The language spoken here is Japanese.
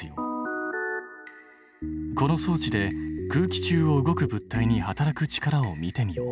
この装置で空気中を動く物体に働く力を見てみよう。